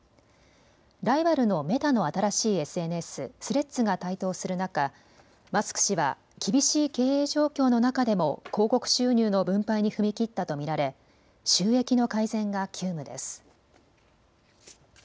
ライバルのメタの新しいＳＮＳ、スレッズが台頭する中、マスク氏は厳しい経営状況の中でも広告収入の分配に踏み切ったと見られ収益の改善が急務です。